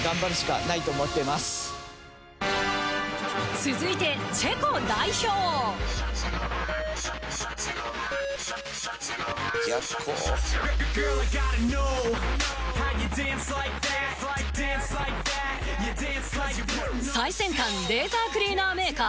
続いてチェコ代表逆光最先端レーザークリーナーメーカー